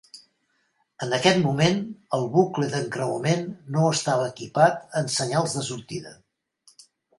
En aquest moment, el bucle d'encreuament no estava equipat amb senyals de sortida.